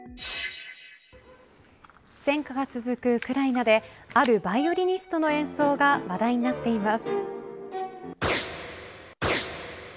戦火が続くウクライナであるバイオリニストの演奏が話題になっています。